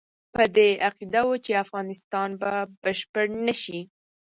په دې عقیده وو چې افغانستان به بشپړ نه شي.